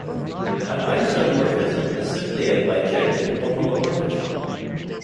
An isomorphism is simply a bijective homomorphism.